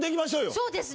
そうですね。